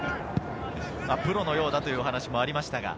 プロのようだというお話もありました。